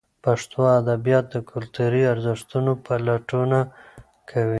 پښتو ادبیات د کلتوري ارزښتونو پلټونه کوي.